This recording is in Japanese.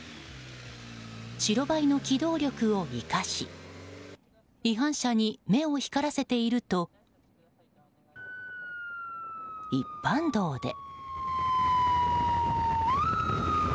白バイの機動力を生かし違反者に目を光らせていると一般道で。